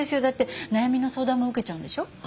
だって悩みの相談も受けちゃうんでしょ？